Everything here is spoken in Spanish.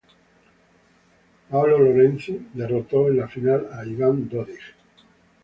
Paolo Lorenzi derrotó en la final a Ivan Dodig.